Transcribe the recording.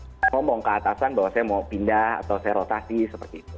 untuk membongkar atasan bahwa saya mau pindah atau saya rotasi seperti itu